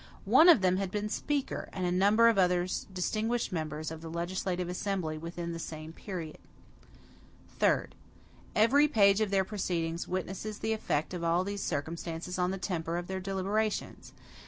One of them had been speaker, and a number of others distinguished members, of the legislative assembly within the same period. Third. Every page of their proceedings witnesses the effect of all these circumstances on the temper of their deliberations.